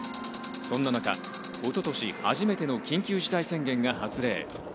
そんな中、一昨年初めての緊急事態宣言が発令。